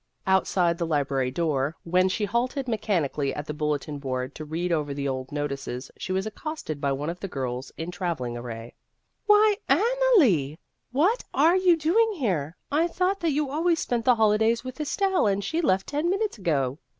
Outside the library door, when she halted mechanically at the bulletin board to read over the old notices, she was accosted by one of the girls in travelling array. " Why, Anne Allee ! what are you doing here ? I thought that you always spent the holidays with Estelle, and she left ten minutes ago."